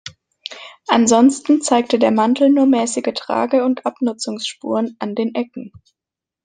Ansonsten zeigte der Mantel nur mäßige Trage- und Abnutzungsspuren an den Ecken.